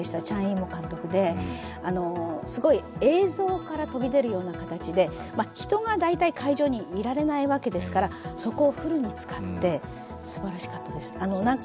チャン・イーモウ監督で、すごい映像から飛び出るような感じで人が会場にいられないわけですから、そこをフルに使ってすばらしかったです。